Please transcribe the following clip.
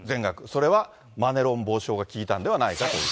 それは、マネロン防止法が効いたんではないかという。